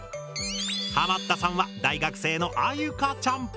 ハマったさんは大学生のあゆかちゃん！